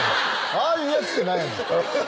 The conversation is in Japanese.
「ああいうやつ」って何やねん。